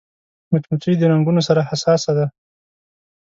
مچمچۍ د رنګونو سره حساسه ده